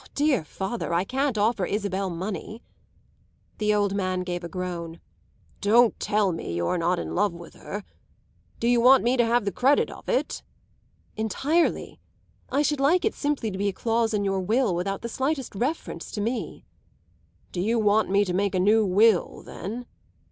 "Ah, dear father, I can't offer Isabel money!" The old man gave a groan. "Don't tell me you're not in love with her! Do you want me to have the credit of it?" "Entirely. I should like it simply to be a clause in your will, without the slightest reference to me." "Do you want me to make a new will then?"